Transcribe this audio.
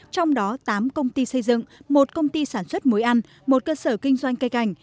trong đó tám công ty xây dựng một công ty sản xuất muối ăn một cơ sở kinh doanh cây cảnh